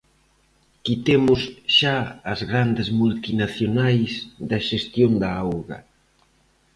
Quitemos xa as grandes multinacionais da xestión da auga.